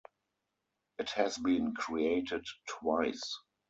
It has been created twice.